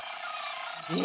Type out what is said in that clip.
え